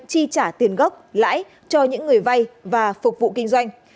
chi trả tiền gốc lãi cho những người vay và phục vụ kinh doanh